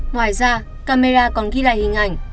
ngoài ra camera còn ghi lại hình ảnh